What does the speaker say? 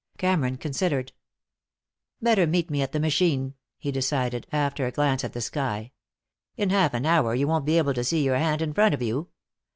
Cameron considered. "Better meet at the machine," he decided, after a glance at the sky. "In half an hour you won't be able to see your hand in front of you.